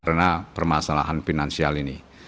karena permasalahan finansial ini